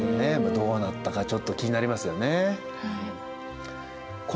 どうなったかちょっと気になりますよね。